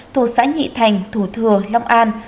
tù xã nhị thành thủ thừa long an